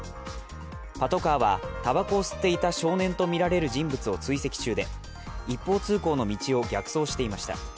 パトカーは、たばこを吸っていた少年とみられる人物を追跡中で一方通行の道を逆走していました。